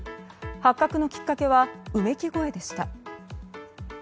発覚のきっかけはうめき声でした。